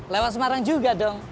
lewat semarang juga dong